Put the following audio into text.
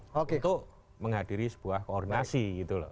untuk menghadiri sebuah koordinasi gitu loh